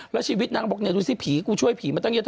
แล้วชีวิตนางบอกดูสิผีกูช่วยผีมาตั้งเกียรติ